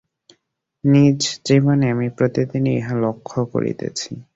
নিজ জীবনে আমি প্রতিদিন ইহা লক্ষ্য করিতেছি।